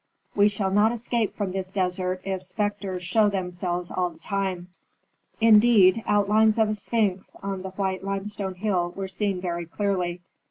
We shall not escape from this desert if spectres show themselves all the time." Indeed, outlines of a sphinx on a white limestone hill were seen very clearly.